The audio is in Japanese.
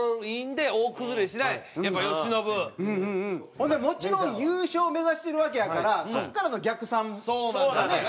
ほんでもちろん優勝目指してるわけやからそこからの逆算がね。